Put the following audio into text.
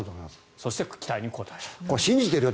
そして期待に応えたと。